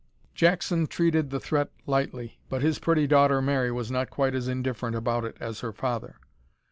Jackson treated the threat lightly, but his pretty daughter Mary was not quite as indifferent about it as her father.